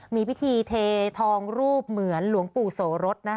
มีพิธีเททองรูปเหมือนหลวงปู่โสรส